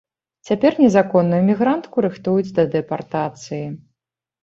Цяпер незаконную мігрантку рыхтуюць да дэпартацыі.